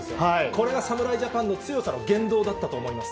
これが侍ジャパンの強さの原動だったと思います。